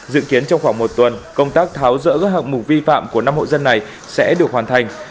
dự kiến trong khoảng một tuần công tác tháo rỡ các hạng mục vi phạm của năm hộ dân này sẽ được hoàn thành